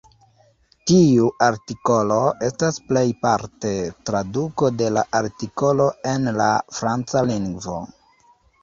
Tiu artikolo estas plejparte traduko de la artikolo en la franca lingvo.